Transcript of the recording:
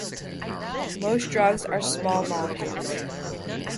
Most drugs are small molecules.